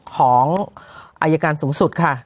ของอายการสูงสุดค่ะ